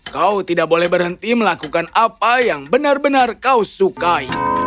kau tidak boleh berhenti melakukan apa yang benar benar kau sukai